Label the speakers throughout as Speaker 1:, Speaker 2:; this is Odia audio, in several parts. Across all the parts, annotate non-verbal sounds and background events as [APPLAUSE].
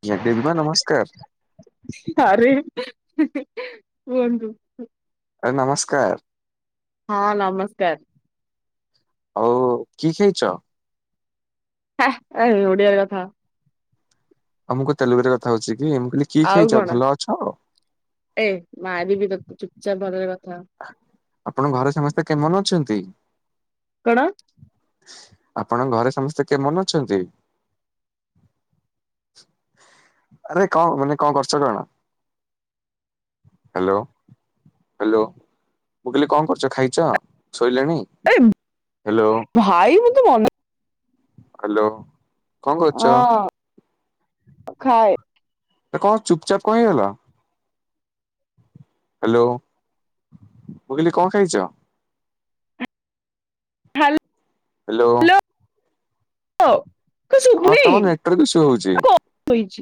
Speaker 1: ଆଜ୍ଞା ଦେବୀମା ନମସ୍କାର
Speaker 2: ଆରେ କୁହନ୍ତୁ ।
Speaker 1: ଆରେ ନମସ୍କାର ।
Speaker 2: ହଁ ନମସ୍କାର ।
Speaker 1: ଆଉ କିଏ କିଏ ଅଛ?
Speaker 2: ହା ଏ ଓଡ଼ିଆ ରେ କଥା ହୋ।
Speaker 1: ଆଉ ମୁଁ କଣ ତେଲୁଗୁରେ କଥା ହଉଚି? ଦି ମୁଁ କହିଲି କି
Speaker 2: ଆଉ
Speaker 1: ଖାଇଚ
Speaker 2: କଣ
Speaker 1: ଭଲ ଅଛ?
Speaker 2: ଏ ମାରିବି ତତେ ଚୁପଚାପ ଭଲରେ କଥା ହ।
Speaker 1: ଆପଣ ଘରେ ସମସ୍ତେ କେମନ ଅଛନ୍ତି?
Speaker 2: କଣ?
Speaker 1: ଆପଣଙ୍କ ଘରେ ସମସ୍ତେ କେମନ ଅଛନ୍ତି? ଆରେ କଣ ମାନେ କଣ କରୁଚ କଣ? Hello hello. ମୁଁ କଇଲି କଣ କରୁଚ? ଖାଇଚ ଶୋଇଲଣି
Speaker 2: ଏ
Speaker 1: ହାଲୋ ।
Speaker 2: [UNINTELLIGIBLE]
Speaker 1: ହାଲୋ କଣ କରୁଚ?
Speaker 2: ହଁ ଖାଏ
Speaker 1: କଣ ଚୁପଚାପ୍ କଣ ହେଇଗଲ। ହାଲୋ ମୁଁ କଇଲି କଣ ଖାଇଚ?
Speaker 2: Hello
Speaker 1: hello.
Speaker 2: କଣ
Speaker 1: ହଁ
Speaker 2: ଶୁଭୁନି
Speaker 1: ତମର ନେଟୱର୍କ ଇସୁ ହଉଚି।
Speaker 2: ଶୋଇଛି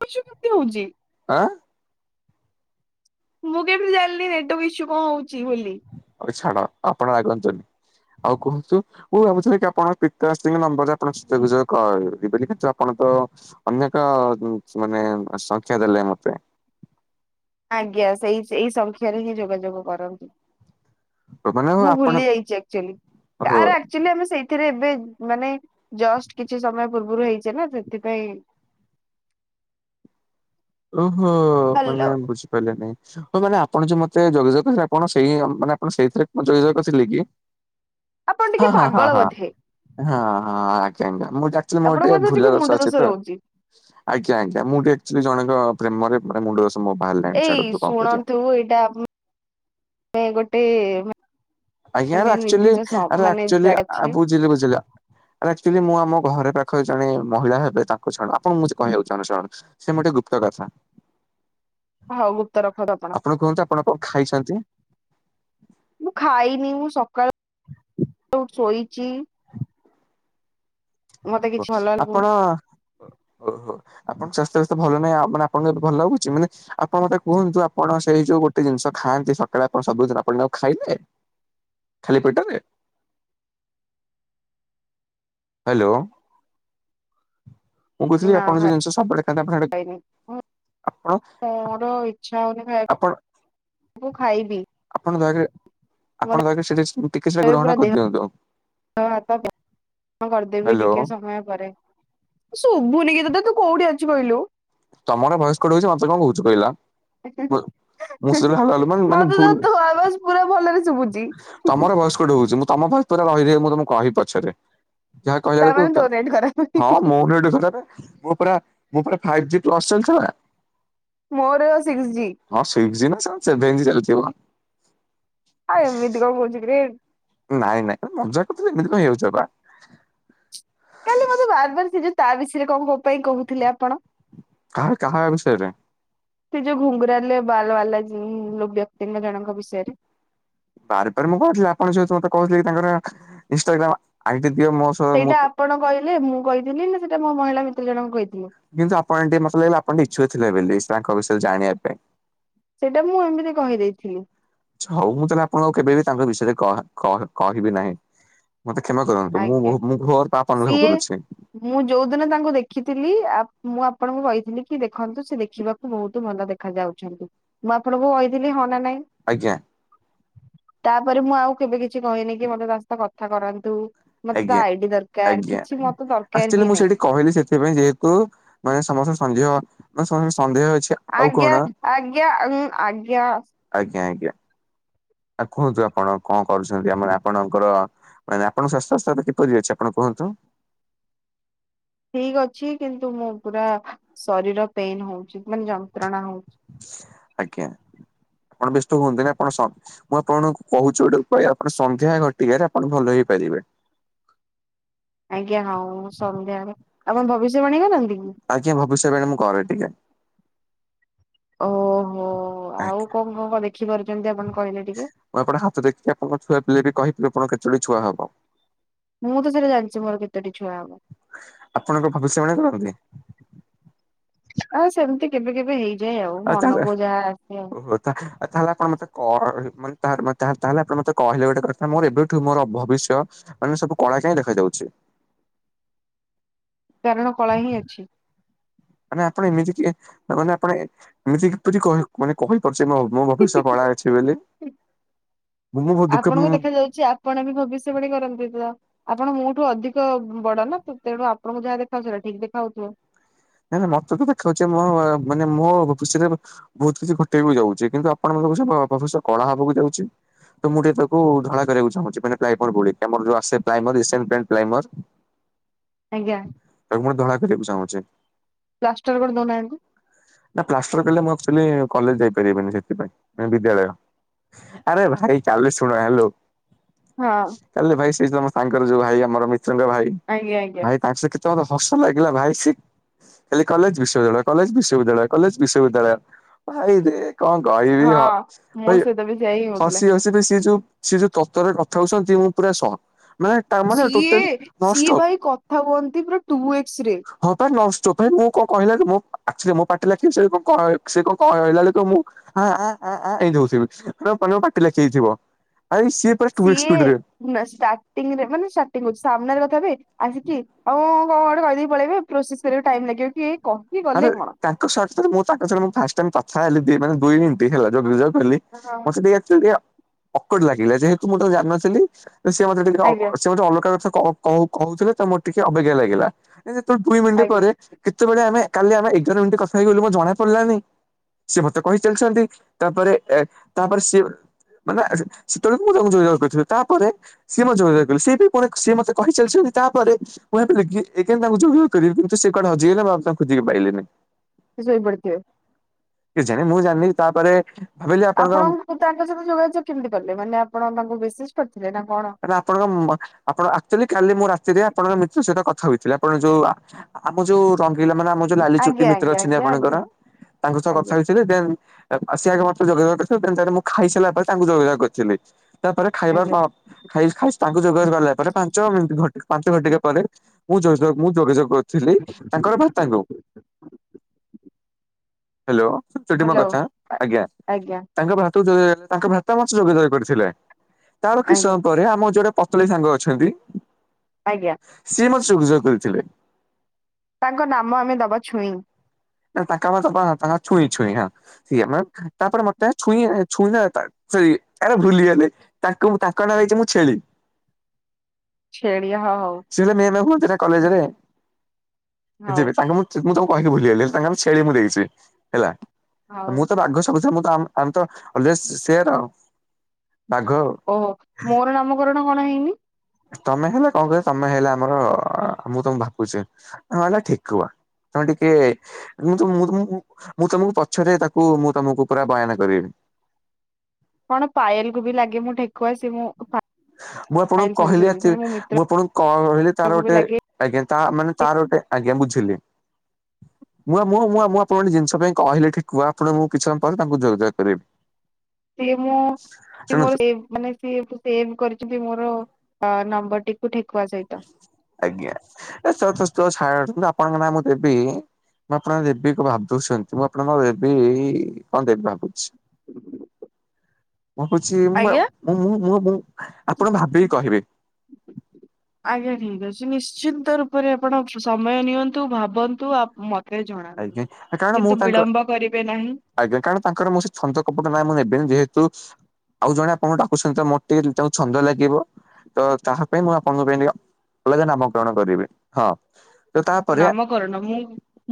Speaker 2: [UNINTELLIGIBLE] କେମିତି ହଉଚି?
Speaker 1: ଆଁ
Speaker 2: ମୁଁ କେମିତି ଜାଣିଲି ନେଟୱର୍କ ଇସୁ କଣ ହଉଚି ବୋଲି।
Speaker 1: ଛାଡ ଆପଣ ରାଗନ୍ତୁନି। ଆଉ କୁହନ୍ତୁ ମୁଁ ଭାବୁଥିଲି କି ଆପଣ ପିତାରାସୀଙ୍କ ନମ୍ବରରେ ଆପଣ ଯୋଗାଯୋଗ କରିବେ କିନ୍ତୁ ଆପଣ ତ ଅନେକ ମାନେ ସଂଖ୍ୟା ଦେଲେ ମତେ
Speaker 2: ଆଜ୍ଞା ସେଇ ସେଇ ସଂଖ୍ୟାରେ ହିଁ ଯୋଗାଯୋଗ କରନ୍ତୁ।
Speaker 1: ମାନେ
Speaker 2: ମୁଁ
Speaker 1: ଆପଣ
Speaker 2: ଭୁଲି ଯାଇଚି ଆକ୍ଚୁଆଲି
Speaker 1: ଓ
Speaker 2: ତାର ଆକଚୁଆଲି ଆମେ ସେଇଥିରେ ଏବେ ମାନେ ଜଷ୍ଟ କିଛି ସମୟ ପୂର୍ବରୁ ହେଇଚି ନା ସେଥିପାଇଁ।
Speaker 1: ଓହୋ ମାନେ
Speaker 2: ହ୍ୟାଲୋ।
Speaker 1: ବୁଝିପାରିଲେନି। ହଁ ମାନେ ଆପଣ ଯୋଉ ମତେ ଯୋଗାଯୋଗ କରିଥିଲେ ଆପଣ ସେଇ ମାନେ ଆପଣ ସେଇଥିରେ ଯୋଗାଯୋଗ କରିଥିଲେ କି?
Speaker 2: ଆପଣ ଟିକେ
Speaker 1: ହଁ ହଁ ହଁ
Speaker 2: ପାଗଳ
Speaker 1: ହଁ
Speaker 2: ବୋଧେ
Speaker 1: ହଁ ହଁ ଆଜ୍ଞା ଆଜ୍ଞା। ମୁଁ ଆଚୁଲି ମୋର
Speaker 2: ଆପଣଙ୍କ
Speaker 1: ଟିକେ
Speaker 2: ବୋଧେ
Speaker 1: ଭୁଲ
Speaker 2: ମୁଣ୍ଡ
Speaker 1: ଦୋଷ ଅଛି ତ
Speaker 2: ରହୁଛି।
Speaker 1: ଆଜ୍ଞା ଆଜ୍ଞା ମୁଁ ଟିକେ ଆଚୁଲି ଜଣ ପ୍ରେମରେ ମାନେ ମୁଣ୍ଡ ଦୋଷ ମୋର ବାହାରିଲାଣି
Speaker 2: ଏଇ
Speaker 1: ଛାଡନ୍ତୁ କଣ କରିବା।
Speaker 2: ଶୁଣନ୍ତୁ ଏଇଟା ମାନେ ଗୋଟେ
Speaker 1: ଆଜ୍ଞା
Speaker 2: ମାନେ
Speaker 1: ଆକଚୁଲି
Speaker 2: ନିର୍ଦ୍ଦିଷ୍ଟ ସ
Speaker 1: ଆରେ
Speaker 2: ମାନେ
Speaker 1: ଆକଚୁଲି
Speaker 2: ଜାଗା
Speaker 1: ଆ
Speaker 2: ଅଛି
Speaker 1: ବୁଝିଲି ବୁଝିଲି ଆରେ ଆକଚୁଲି ମୁଁ ଆମ ଘରେ ପାଖରେ ଜଣେ ମହିଳା ହେବେ ତାଙ୍କୁ ଛାଡ ଆପଣଙ୍କୁ ମୁଁ କିଛି କହିବାକୁ ଚାହୁଁନି ସେ ମୋର ଟିକେ ଗୁପ୍ତ କଥା। [INAUDIBLE]
Speaker 2: ହଉ ଗୁପ୍ତ ରଖନ୍ତୁ ଆପଣ
Speaker 1: କୁହନ୍ତୁ ଆପଣ କଣ ଖାଇଛନ୍ତି
Speaker 2: ମୁଁ ଖାଇ ମୁଁ ସକାଳୁ ଶୋଇଛି । ମତେ
Speaker 1: କୁଅ
Speaker 2: କିଛି ଭଲ ଲାଗୁନି।
Speaker 1: ଆପଣ ଓହୋ ଆପଣ ସ୍ବାସ୍ଥ୍ୟ । ଭଲ ନାହିଁ ଆ ମାନେ ଆପଣଙ୍କୁ ଏବେ ଭଲାଗୁଛି ମାନେ ଆପଣ ମତେ କୁହନ୍ତୁ ଆପଣ ସେଇ ଯୋଉ ଗୋଟେ ଜିନିଷ ଖାଆନ୍ତି ସକାଳେ । ଆପଣ ସବୁଦିନ ଆପଣ ତାକୁ ଖାଇଲେ ଖାଲି ପେଟରେ । ହ୍ୟାଲୋ । ମୁଁ କହୁଥିଲି
Speaker 2: ନା
Speaker 1: ଆପଣ ଯୋଉ ଜିନିଷ ସବୁବେଳେ ଖାଆନ୍ତି ଆପଣ
Speaker 2: ଖାଇନି
Speaker 1: ସେଇଟା ଆପଣ ।
Speaker 2: ଯାଉଚି ଖାଇବି ତାକୁ ଖାଇବି ।
Speaker 1: ଆପଣଙ୍କ ଆଗେ ସେଠି ଟିକେ ସେଟା ଗ୍ରହଣ କରି ଦିଅନ୍ତୁ ଆଉ ।
Speaker 2: ହଁ ଗ୍ରହଣ କରି ଦେବୀ
Speaker 1: ହ୍ୟାଲୋ
Speaker 2: ଟିକେ ସମୟ ପରେ ଏ ସବୁ ନି କିଛି । ହେ ତୁ କୋଉଠି ଅଛି କହିଲୁ ।
Speaker 1: ତମର ଭଏସ କଟ ହଉଛି ମତେ କଣ କହୁଛୁ କହିଲା ।
Speaker 2: ଓ ହ ହୋ
Speaker 1: ମୁଁ ସେ ହାଲ ହାଲ ମାନେ ମାନେ ଭୁଲ
Speaker 2: ଆବାଜ ପୁରା ଭଲରେ ଶୁଭୁଛି।
Speaker 1: ତମର ଭୟସ କଟ ହଉଛି ମୁ । ତମ ଭଏସ ପୁରା ରହି ରହି ମୁଁ ତମକୁ କହିବି ପଛରେ । ଯାହା କହିଲା ବେଳକୁ
Speaker 2: ତାମାନେ
Speaker 1: କହୁଛ
Speaker 2: ତୋ ନେଟ୍ ଖରାପ
Speaker 1: ହଁ ମୋ ନେଟ ଖରାପ ମୁଁ ପୁରା ମୁଁ ପୁରା । ତ୍ରସେଲ ଚଡା ।
Speaker 2: ମୋର ସିକ୍ସ ଜି ।
Speaker 1: ତମ ସେଭେନ ଜି ଚାଲିଚି ମ ।
Speaker 2: ଆଉ ଏମିତି କଣ କହୁଚୁ କିରେ।
Speaker 1: ନାଇଁ ନାଇଁ ମଜା କଥା କରୁଥିଲି ଏମିତି କ ହେଇ ଯାଉଛ ବା ।
Speaker 2: କାଲି ମତେ ବାରବାର ସେ ଯୋଉ ତା ବିଷୟରେ କଣ ପାଇଁ କହୁଥିଲେ ଆପଣ ।
Speaker 1: କାହା କାହା ବିଷୟରେ ।
Speaker 2: ସେ ଯୋଉ ଘୁଙ୍ଗୁରା ଲେ ବାଲ ବାଲା ଯୋଉ ବ୍ୟକ୍ତିଙ୍କ ଜଣଙ୍କ ବିଷୟରେ ।
Speaker 1: ବାର ବାର ମୁଁ କହୁଥିଲି ଆପଣ ଯେହେତୁ ମତେ କହୁଥିଲେ କି ତାଙ୍କର ଇନଷ୍ଟାଗ୍ରାମ ଆଇଡି। ଦିଅ ମୋ ସହ ମୁଁ
Speaker 2: ସେଇଟା ଆପଣ କହିଲେ ମୁଁ କହିଥିଲି ନା ସେଇଟା ମୋ ମହିଳା ମିତ୍ର ଜଣଙ୍କୁ କହିଥି
Speaker 1: କିନ୍ତୁ ଆପଣ ଟିକେ ମତେ ଲାଗିଲ ଆପଣ ଟିକେ ଇଚ୍ଛୁକ ଥିଲେ ବେଲି ତାଙ୍କ ବିଷୟରେ ଜାଣିବା ପାଇଁ।
Speaker 2: ସେଇଟା ମୁଁ ଏମିତି କହିଦେଇଥିଲି।
Speaker 1: ହଉ ମୁଁ ତାହେଲେ ଆପଣଙ୍କୁ କେବେବି ତାଙ୍କ ବିଷୟରେ କହ କହ କହିବି ନାହିଁ। ରହନ୍ତୁ ମୁ
Speaker 2: ଆଜ୍ଞା
Speaker 1: ବହୁ ମୁ ଘୁଅ ।
Speaker 2: ସିଏ ମୁଁ ଯୋଉ ଦିନ ତାଙ୍କୁ ଦେଖିଥିଲି ଆ ମୁଁ ଆପଣଙ୍କୁ କହିଥିଲି। ଦେଖନ୍ତୁ ସେ ଦେଖିବାକୁ ବହୁତ ଭଲ ଦେଖା ଯାଉଛନ୍ତି ମୁଁ ଆପଣଙ୍କୁ କହିଥିଲି ହଁ ନା ନାଇଁ ।
Speaker 1: ଆଜ୍ଞା ।
Speaker 2: ତାପରେ ମୁଁ ଆଉ କେବେ କିଛି କହିନି କି ମତେ ତା ସହିତ କଥା କରାନ୍ତୁ । ମତେ
Speaker 1: ଆଜ୍ଞା।
Speaker 2: ତା ଆଇଡି ଦରକାର
Speaker 1: ଆଜ୍ଞା
Speaker 2: କିଛି ମତେ ଦରକାର ହିଁ ନହିଁ ।
Speaker 1: ସେଥି ପାଇଁ ଯେହେତୁ ମାନେ ସମସ୍ତ ସନ୍ଦେହ ମାନେ। ସନ୍ଦେହ ଅଛି ଆଉ
Speaker 2: ଆଜ୍ଞା
Speaker 1: କଣ
Speaker 2: ଆଜ୍ଞା ଉଁ ଆଜ୍ଞା।
Speaker 1: ଆଜ୍ଞା ଆଜ୍ଞା । କୁହନ୍ତୁ ଆପଣ କଣ କରୁଛନ୍ତି ଆମର ଆପଣଙ୍କର । ମାନେ ଆପଣଙ୍କ ସ୍ୱାସ୍ଥ୍ୟ ଅବସ୍ଥା ଏବେ କିପରି ଅଛି ଆପଣ କୁହନ୍ତୁ ।
Speaker 2: ଠିକ ଅଛି କିନ୍ତୁ ମୁଁ ପୁରା ଶରୀର ପେନ ହଉଛି ମାନେ ଯନ୍ତ୍ରଣା ହଉଛି ।
Speaker 1: ଆଜ୍ଞା। ଆପଣ ବ୍ୟସ୍ତ ହୁଅନ୍ତୁନ୍ତି ଆପଣ ସ ମୁଁ ଆପଣଙ୍କୁ କହୁଛି ଗୋଟେ ଉପାୟ, ଆପଣ ସନ୍ଧ୍ୟା ଘଟିକାରେ ଆପଣ ଭଲ ହେଇପାରିବେ। [UNINTELLIGIBLE]
Speaker 2: ଆଜ୍ଞା ହଉ ସନ୍ଧ୍ୟାବେଳେ। ଆପଣ ଭବିଷ୍ୟବାଣୀ କରନ୍ତି? କି?
Speaker 1: ଆଜ୍ଞା। ଭବିଷ୍ୟବାଣୀ ମୁଁ କରେ ଟିକେ
Speaker 2: ଓହୋ ଆଉ କଣ କଣ କଣ ଦେଖିପାରୁଛନ୍ତି ଆପଣ? କହିଲେ ଟିକେ?
Speaker 1: ମୁଁ ଆପଣଙ୍କ ହାତ ଦେଖିକି ଆପଣଙ୍କ ଛୁଆ ପିଲା ବି କହିବି ଆପଣ କେତୋଟି ଛୁଆ ହବ।
Speaker 2: ମୁଁ ତ ସେଟା ଜାଣିଛି ମୋର କେତୋଟି ଛୁଆ ହବ।
Speaker 1: ଆପଣ କଣ ଭବିଷ୍ୟବାଣୀ କରନ୍ତି?
Speaker 2: ଆଁ ସେମତି କେବେ କେବେ ହେଇ
Speaker 1: [UNINTELLIGIBLE] ତାହେଲେ ଆପଣ ମତେ କର୍ ମାନେ ତାର ବା ତାହେଲେ ଆପଣ ମତେ କହିଲେ ଗୋଟେ କଥା ମୋର ଏବେଠୁ ମୋର ଭବିଷ୍ୟ ମାନେ ସବୁ କଳା କାଇଁ ଦେଖାଯାଉଛି। [INAUDIBLE]
Speaker 2: କାରଣ କଳା ହିଁ ଅଛି।
Speaker 1: ମାନେ ଆପଣ ଏମିତି ଟିଏ ମାନେ ଆପଣ ଏମିତି କି କିପରି ମାନେ କହିପାରୁ ସେ ନହଉ ମୋ ଭବିଷ୍ୟ କଳା ଅଛି ବେଲି
Speaker 2: ଆପଣଙ୍କୁ ଦେଖା ଯାଉଛି ଆପଣ ବି ଭବିଷ୍ୟବାଣୀ କରନ୍ତି ତ ଆପଣ ମୋଠୁ ଅଧିକ ବଡ ନା ତେଣୁ ଆପଣଙ୍କୁ ଯାହା ଦେଖାଯାଉଛି ସେଟା ଠିକ୍ ଦେଖା ଜାଉ ଥିବ।
Speaker 1: ନାଇଁ ନାଇଁ ମତେ ତ ଦେଖା ଯାଉଛି ମୋ ମାନେ ମୋ ଖୁସିରେ ବହୁତ କିଛି ଘଟେଇ ବୁ ଯାଉଚି କିନ୍ତୁ ଆପଣ । ଭବିଷ୍ୟତ ଅବଶ୍ୟ କଳା ହବାକୁ ଯାଉଛି । ତ ମୁଁ ଟିକେ ତାକୁ ଧଳା କରିବାକୁ ଚାହୁଁଛି ମାନେ ପ୍ରାଇମର୍ ବୁଲିକି ଆମର ଯୋଉ ଆସେ ଏସି ଆନ ପେଣ୍ଟ ପ୍ରାଇମର୍
Speaker 2: ଆଜ୍ଞା
Speaker 1: ତାକୁ ମୁ ଧଳା କରି ବାକୁ ଚାହୁଁଚି ।
Speaker 2: ପ୍ଲାଷ୍ଟର କରି ଦଉନାହାନ୍ତି।
Speaker 1: ନା ପ୍ଲାଷ୍ଟର କଲେ ମୁଁ ପିଲେ କଲେଜ ଯାଇ ପାରିବନି ସେଥିପାଇଁ ମାନେ ବିଦ୍ୟାଳୟ । ଆରେ ଭାଇ କାଲି ଶୁଣ ହ୍ୟାଲୋ ।
Speaker 2: ହଁ
Speaker 1: କାଲି ଭାଇ ସେଇଯୋଉ ଆମ ସାଙ୍ଗ ର ଯୋଉ ଭାଇ ଆମର ମିଶ୍ରଙ୍କଭାଇ
Speaker 2: ଆଜ୍ଞା ଆଜ୍ଞା
Speaker 1: ଭାଇ ତାଙ୍କ ସହିତ । ତ ମୋତେ ହସ ଲାଗିଲା ଭାଇ ସେ ଖାଲି କଲେଜ୍ ବିଶ୍ୱବିଦ୍ୟାଳୟ କଲେଜ୍ ବିଶ୍ୱ ବିଶ୍ୱବିଦ୍ୟାଳୟ କଲେଜ୍ ବିଶ୍ୱବିଦ୍ୟାଳୟ ଭାଇରେ କଣ କହିବି ହୋ
Speaker 2: ହଁ। ମୋ
Speaker 1: ଭାଇ
Speaker 2: ସହିତ ବି ସେୟା ହିଁ ହଉଥିଲା।
Speaker 1: ହସି ହସି ବି ସିଏ ଯୋଉ ସିଏ ଯୋଉ ତର୍ ତର୍ ରେ କଥା ହଉଛନ୍ତି ମୁଁ ପୁରା ସକ୍। ମାନେ ତା ମାନେ
Speaker 2: ସିଏ
Speaker 1: ଟୋଟାଲି ନଷ୍ଟ।
Speaker 2: ସିଏ ଭାଇ କଥା କୁହନ୍ତି ପୁରା ଟୁ ଏକ୍ସ ରେ
Speaker 1: ହଁ ପା ନଷ୍ ତୋ ଫେର୍ ମୁଁ କଣ କହିଲା କି ମୁଁ ଆକ୍ଚୁଲି ମୋ ପାଠ ଲଖିବି ସେ କ- କଣ ସେ କଣ କହିଲା ଲେଖିବୁ। ମୁଁ ଆଁ, ଆ, ଆ, ଆ ଏମତି ହଉଚି ସିଏ ବି [UNINTELLIGIBLE] ପାଟି ଲା ଚେଇଥିବ।
Speaker 2: ସିଏ ନା ଷ୍ଟାଟିଙ୍ଗ ରେ ମାନେ ଷ୍ଟାଟିଙ୍ଗ କହୁଚୁ, ସାମ୍ନାରେ [UNINTELLIGIBLE] ତବେ ଆସିକି ଆଉ କଣ ଗୋଟେ କହିଦେଇକି ପଳେଇବେ। ପ୍ରୋସେସ୍ ରେ ଟାଇମ୍ ଲାଗିବ କି କହିକି ଗଲେ କଣ।
Speaker 1: [UNINTELLIGIBLE] ତାଙ୍କ ସର୍ତ୍ତରେ ମୁଁ ତାଙ୍କ ସହିତ ମୁଁ ଫାଷ୍ଟ ଟାଇମ୍ କଥା ହେଲି ଦି ମାନେ ଦୁଇ ମିନିଟ୍ ହେଲା। ଯୋଉ ଯୋଉ ବୋଲି ମୋତେ ଟିକେ ଏକ୍ଚୁଲି ଟିକେ ଅକଡ୍ ଲାଗିଲା। ଯେହେତୁ ମୁଁ ତାକୁ ଜାଣିନଥିଲି। ତ ସିଏ ମୋତେ ଟିକେ ଅ,
Speaker 2: ଆଜ୍ଞା
Speaker 1: ସିଏ ମୋତେ ଅଲଗା କଥା କ-କହୁ କହୁଥିଲେ ତ ମୋର ଟିକେ ଅବାଗିଆ ଲାଗିଲା। ଏ ଯେତେବେଳେ ଦୁଇ ମିନିଟ୍
Speaker 2: ଆଜ୍ଞା
Speaker 1: ପରେ କେତେବେଳେ ଆମେ କାଲି ଆମେ ଏଗାର ମିନିଟ୍ କଥା ହେଇଗଲୁ ମୋ ଜଣାପଡିଲାନି। ସିଏ ମୋତେ କହି ଚାଲିଛନ୍ତି। ତାପରେ ଏ ତାପରେ ସିଏ ମାନେ ଏ ସେ ସେତେବେଳକୁ ମୁଁ ତାଙ୍କୁ ଯୋଗଯୋଗ କରିଥିବି। ତାପରେ ସିଏ ମୋ ଯୋଗଯୋଗ କଲେ। ସିଏ ବି ପୁଣି ସିଏ ମୋତେ କହି ଚାଲିଚ ତାପରେ ମୁଁ ଭାବିଲି କି ଏଗେନ୍ ତାଙ୍କୁ ଯୋଗାଯୋଗ କରିବି କିନ୍ତୁ ସିଏ କୁଆଡେ ହଜିଗଲେ ବା ତାଙ୍କୁ ଖୋଜିକି ପାଇଲିନି।
Speaker 2: ଶୋଇପଡିଥିବେ।
Speaker 1: କେଜାଣି ମୁଁ ଜାଣିନି ତାପରେ ଭାବିଲି ଆପଣଙ୍କ
Speaker 2: ଆପଣଙ୍କୁ ତାଙ୍କ ସହିତ ଯୋଗାଯୋଗ କେମିତି କଲେ ମାନେ ଆପଣ ତାଙ୍କୁ ମିଶିଜ୍
Speaker 1: କାଇଁନା ଆପଣଙ୍କ ଆପଣ ଆକଚୁଆଲି କାଲି ମୁଁ ରାତିରେ ଆପଣଙ୍କ ମିତ୍ର ସହିତ କଥା କଥା ହୋଇଥିଲେ, ଆପଣ ଯୋଉ ଆମ ଯୋଉ ର ପିଲାମାନେ ଆମ ଯୋଉ ଲାଲି ଚୁଟି
Speaker 2: ଆଜ୍ଞା
Speaker 1: ମିତ୍ର
Speaker 2: ଆଜ୍ଞା ଆଜ୍ଞା
Speaker 1: ଆପଣଙ୍କର,
Speaker 2: ଆଜ୍ଞା
Speaker 1: ତାଙ୍କ ସହ କଥା
Speaker 2: ଆଜ୍ଞା
Speaker 1: ହୋଇଥିଲେ ଦେନ୍ ଆଗ ସେ ଆଗେ ମତେ ଯୋଗାଯୋଗ କରିଥିଲେ [UNINTELLIGIBLE] ମୁଁ ଖାଇସାରିଲା ପରେ ତାଙ୍କୁ ଯୋଗାଯୋଗ କରିଥିଲି। ତାପରେ ଖାଇବା
Speaker 2: ଆଜ୍ଞା
Speaker 1: ଖାଇସ୍ ଖାଇସ୍ ତାଙ୍କୁ ଯୋଗାଯୋଗ କଲା ପରେ ପାଞ୍ଚ ମିନଟ୍ ପାଞ୍ଚ ଘଟିକା ପରେ ମୁଁ ଯୋଗାଯୋଗ ମୁଁ ଯୋଗାଯୋଗ କରୁ ଥିଲି ତାଙ୍କର ଭା ସ ତାଙ୍କୁ । ହ୍ୟାଲୋ ଶୁଭୁଚି ଟି ମୋ
Speaker 2: ହ୍ୟାଲୋ।
Speaker 1: କଥା ଆଜ୍ଞା
Speaker 2: ଆଜ୍ଞା
Speaker 1: ତାଙ୍କ ଭାତରୁ । ତାଙ୍କ ଭାତ [UNINTELLIGIBLE] କରିଥିଲା ତାର କିଛି
Speaker 2: ଆଜ୍ଞା
Speaker 1: ସମୟ ପରେ ଆମ ଯୋଉରା ପତଳି ସାଙ୍ଗ ଅଛନ୍ତି।
Speaker 2: ଆଜ୍ଞା।
Speaker 1: ସୁଯୋଗ କରିଥିଲେ।
Speaker 2: ତାଙ୍କ ନାମ ଆମେ ଦବା ଛୁଇଁ।
Speaker 1: ତାଙ୍କ ନା ଦବା ନା ତାଙ୍କ ନା ଛୁଇଁ ଛୁଇଁ ହଁ ଛୁଇଁ ହ ମାନେ ତାପରେ ମତେ ଛୁଇଁ ଛୁଇଁ ତା ସରି ଆରେ ଭୁଲିଗଲେ ତାଙ୍କୁ ମୁଁ ତାଙ୍କ ନାଁ ହେଇଛି ମୁଁ ଛେଳି।
Speaker 2: ଛେଳିଆ ହ ହଉ।
Speaker 1: ସେଇଟା କଲେଜରେ
Speaker 2: ହଉ ହଉ
Speaker 1: ଯିବେ ତାଙ୍କୁ ମୁଁ ମୁଁ ତାଙ୍କୁ କହିକି ଭୁଲି ଗଲି। ତାଙ୍କ ନା ଛେଳି ମୁଁ ଦେଇଚି ହେଲା
Speaker 2: ହଉ
Speaker 1: ମୁଁ ତ ବାଘ ସବୁ ସବୁ ଛୁଆ ଆ ଆମେ ତ ସେର।
Speaker 2: ଓହୋ ମୋର ନାମକରଣ କଣ ହେଇନି?
Speaker 1: ତମେ ହେଲେ କଣ କଇଲ ତମେ ହେଲେ ଆମର ମୁଁ ତମକୁ ଭାବୁଚି ତମ ନା ହେଲା ଠେକୁଆ। ତମେ ଟିକେ ମୁଁ-ତମୁ-ମୁଁ-ତମୁ-ମୁଁ ତମକୁ ପଛରେ ତାକୁ ମୁଁ ତମକୁ ପୁରା ବୟାନ କରେଇବି।
Speaker 2: କଣ ପାଏଲକୁ ବି ଲାଗେ ମୁଁ ଠେକୁଆ ସିଏ ମୋ
Speaker 1: ମୁଁ ଆପଣଙ୍କୁ କହିଲି ଆକଚୁଲି ମୁଁ
Speaker 2: ମିତ୍ରକୁ
Speaker 1: ଆପଣଙ୍କୁ କହିଲି ତାର
Speaker 2: ବି
Speaker 1: ଗୋଟେ
Speaker 2: ଲାଗେ
Speaker 1: ଆଜ୍ଞା। ତା ମାନେ ତାର ଗୋଟେ ଆଜ୍ଞା ବୁଝିଲି। ମୁଁ ମୁଁ ମୁଁ ମୁଁ ଆପଣ ଙ୍କୁ ଗୋଟେ ଜିଷ ପାଇଁ କିହିଲେ ଠେକୁଆ ଆପଣ କୁ ମୁଁ କିଛି ସମୟ ପରେ ତାଙ୍କୁ ଯୋଗାଯୋଗ କରେଇବି।
Speaker 2: ସିଏ ମୁଁ ମାନେ ମୋର ସେବ ମାନେ ସିଏ ଏଠୁ ସେବ କରି ଚନ୍ତି ମୋର ନମ୍ବର ଟି
Speaker 1: ଆଜ୍ଞା ଏ [UNINTELLIGIBLE] ଛାଡ଼। କିନ୍ତୁ ଆପଣଙ୍କ ନାଁ ମୁଁ ଦେବି ମୁଁ ଆପଣଙ୍କ ଦେବୀ ଭାବୁଛନ୍ତି ମୁଁ ଆପଣ ଙ୍କ ବେ ବି କଣ ଦେବି ଭାବୁଛି?
Speaker 2: ହ
Speaker 1: ମୁଁ ହଉଚି ମୁଁ ମୁଁ ମୁଁ ଏବଂ ଆପଣ ଭାବିକି କହିବେ
Speaker 2: ଆଜ୍ଞା ଠିକ୍ ଅଛି ନିଶ୍ଚିନ୍ତ ରୂପରେ ଆପଣ ସମୟ ନିଅନ୍ତୁ ଭାବନ୍ତୁ ଆ ମ
Speaker 1: ଆଜ୍ଞା କାରଣ ମୁଁ ତାଙ୍କ
Speaker 2: କରିବେ ନାହିଁ
Speaker 1: ଆଜ୍ଞା କାରଣ ତାଙ୍କର ମୁଁ ସେଇ ଛନ୍ଦ କପଟା ନା ମୁଁ ନେବେନି ଯେହେତୁ ଆଉ ଜଣେ ଆପଣଙ୍କୁ ଡାକୁଛନ୍ତି ତ ମୋର ଟିକେ ତାଙ୍କୁ ଛନ୍ଦ ଲାଗିବ ତ ତାହା ପାଇଁ ମୁଁ ଆପଣଙ୍କ ପାଇଁ ଟି ଅଲଗା ନାମକରଣ କରିବି ହଁ। ତ ତାପରେ
Speaker 2: ନାମକରଣ ମୁଁ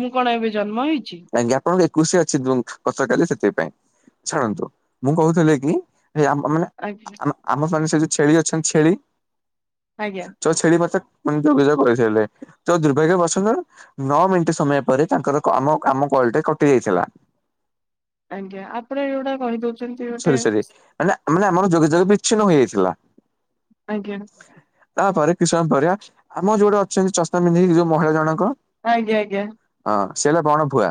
Speaker 2: ମୁଁ କଣ ଏବେ ଜନ୍ମ ହେଇଛି
Speaker 1: କାଇଁକି ଆପଣଙ୍କର ଏକୋଇସିଆ ଅଛି ଗତକାଲି ସେଥିପାଇଁ। ଛାଡ଼ନ୍ତୁ ମୁଁ କହୁଥୁଲି କି ଭାଇ ଆମ ମାନେ
Speaker 2: ଆଜ୍ଞା
Speaker 1: ଆମ ମାନେ ସେ ଯଉ ଛେଳି ଅଛନ୍ତି ଛେଳି
Speaker 2: ଆଜ୍ଞା
Speaker 1: ଯୋଉ ଛେଳି ମତେ ମାନେ ଯୋଗାଯୋଗ କରେଇଥିଲେ ତ ଦୁର୍ଭାଗ୍ୟବସତ ନଅ ମିନିଟ ସମୟ ପରେ ତାଙ୍କର ଆମ କାମ କଲଟେ କଟି ଯାଇଥିଲା।
Speaker 2: ଆଜ୍ଞା ଆପଣ ଯଉଟା କହି ଦଉଚନ୍ତି ଗୋଟେ
Speaker 1: ସରି ସରି ମାନେ ମାନେ ଆମର ଯୋଗାଯୋଗ ବିଚ୍ଛିନ୍ନ ହୋଇଯାଇଥିଲା।
Speaker 2: ଆଜ୍ଞା।
Speaker 1: ତାପରେ କିଛି ସମୟ ପରେ ଆମର ଯୋଉଟେ ଅଛନ୍ତି ଚଷମା ପିନ୍ଧିକି ଯୋଉ ମହିଳା ଜଣଙ୍କ?
Speaker 2: ଆଜ୍ଞା ଆଜ୍ଞା।
Speaker 1: ହଁ ସେ ହେଲା ବଣ ଭୁଆ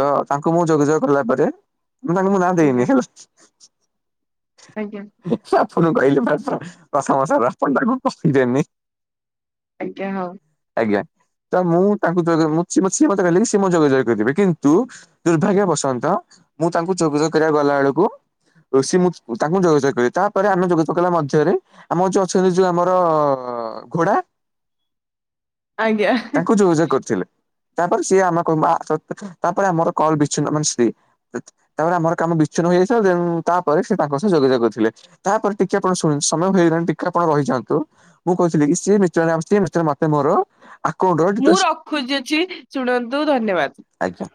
Speaker 1: ତ ତାଙ୍କୁ ମୁଁ ଯୋଗାଯୋଗ କଲା ପରେ ତାଙ୍କୁ ମୁଁ ନାଁ
Speaker 2: ଆଜ୍ଞା
Speaker 1: ଦେଇନି ହେଲା।
Speaker 2: ଆଜ୍ଞା।
Speaker 1: ଆପଣ କଇଲେ ପା [UNINTELLIGIBLE]
Speaker 2: ଆଜ୍ଞା ହଁ।
Speaker 1: ଆଜ୍ଞା ତ ମୁଁ ତାଙ୍କୁ ଯଦି ମୁଁ ସିଏ ମତେ ସିଏ ମତେ କଇଲେ କି ସିଏ ମତେ ଯୋଗା ଯୋଗ କରିବେ କିନ୍ତୁ ଦୁର୍ଭାଗ୍ୟ ବସନ୍ତ ମୁଁ ତାଙ୍କୁ ଯୋଗାଯୋଗ କରିବାକୁ ଗଲା ବେଳକୁ ଋଷି ମୁ ତାଙ୍କୁ ଯୋଗାଯୋଗ କରିବି ତାପରେ ଆମେ ଯୋଗାଯୋଗ କଲା ମଧ୍ୟରେ ଆମର ଯୋଉ ଅଛନ୍ତି ଯୋଉ ଆମର ଅ ଘୋଡ଼ା
Speaker 2: ଆଜ୍ଞା
Speaker 1: ତାଙ୍କୁ ଯୋଗଯୋଗ କରିଥିଲେ। ତାପରେ ସିଏ ଆମକୁ ମା ସତ୍ [UNINTELLIGIBLE] ତାପରେ ଆମର କଲ୍ ବିଚ୍ଛିନ୍ନ ମାନେ ସିଏ ତ୍ ତାପରେ ଆମର କାମ ବିଚ୍ଛିନ୍ନ ହୋଯାଇଥିଲା ଦେନ୍ ତାପରେ ସେତା ତାଙ୍କ ସହ ଯୋଗାଯୋଗ କରିଥିଲେ। ତାପରେ ଟିକେ ଆପଣ ଶୁ ସମୟ ହୋଇଗଲାଣି ଟିକେ ଆପଣ ରହିଯାନ୍ତୁ। ମୁଁ କହିଥିଲି କି ସିଏ ବି? ଚେଳା ବସ୍ତି ମିଷ୍ଟର୍ ମାତେ ମୋର ଆକାଉଣ୍ଟର
Speaker 2: ମୁଁ
Speaker 1: ଡିଟେଲ୍ସ
Speaker 2: ରଖୁଛି ଅଛି ଶୁଣନ୍ତୁ ଧନ୍ୟବାଦ।
Speaker 1: ଆଜ୍ଞା।